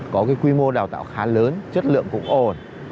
có cái quy mô đào tạo khá lớn chất lượng cũng ổn